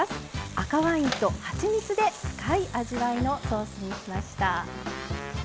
赤ワインとはちみつで深い味わいのソースにしました。